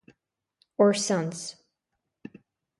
Or sounds.